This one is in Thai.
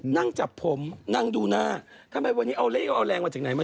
บังจัดคิดว่าจะกัดตรงยังไง